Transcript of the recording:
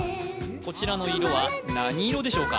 こちらの色は何色でしょうか？